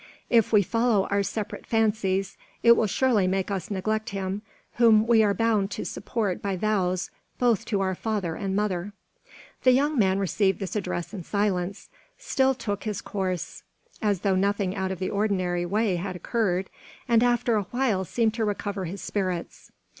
If we follow our separate fancies, it will surely make us neglect him, whom we are bound to support by vows both to our father and mother." The young man received this address in silence, still took his course as though nothing out of the ordinary way had occurred, and after a while seemed to recover his spirits.